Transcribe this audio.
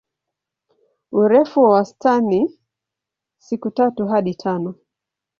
Urefu wa wastani siku tatu hadi tano.